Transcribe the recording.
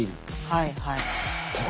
はいはい。